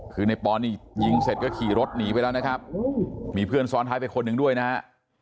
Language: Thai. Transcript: คือในปอนนี่ยิงเสร็จก็ขี่รถหนีไปแล้วนะครับมีเพื่อนซ้อนท้ายไปคนหนึ่งด้วยนะฮะ